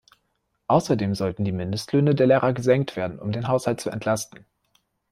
Außerdem sollten die Mindestlöhne der Lehrer gesenkt werden, um den Haushalt zu entlasten.